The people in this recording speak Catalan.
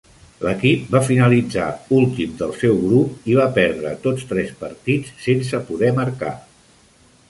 L'equip va finalitzar últim del seu grup, i va perdre tots tres partits sense poder marcar.